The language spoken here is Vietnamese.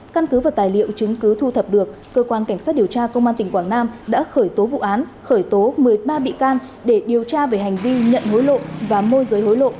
căn cứ và tài liệu chứng cứ thu thập được cơ quan cảnh sát điều tra công an tỉnh quảng nam đã khởi tố vụ án khởi tố một mươi ba bị can để điều tra về hành vi nhận hối lộ và môi giới hối lộ